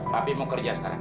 papi mau kerja sekarang